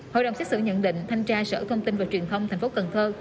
hội đồng xét xử nhận định thanh tra sở thông tin và truyền thông thành phố cần thơ